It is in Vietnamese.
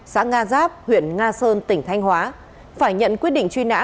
xã nga giáp huyện nga sơn tỉnh thanh hóa phải nhận quyết định truy nã